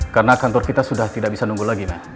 karena kantor kita sudah tidak bisa nunggu lagi